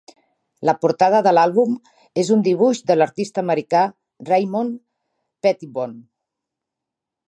La portada de l'àlbum és un dibuix de l'artista americà Raymond Pettibon.